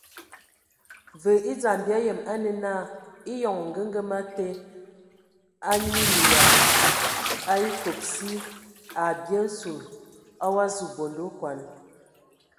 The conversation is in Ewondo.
Və e dzam bia yəm a nə na, eyɔŋ ongəgəma te a nyiinə ya a ekob si,a bye nsul o wa zu bonde okɔn.